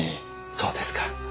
そうですか。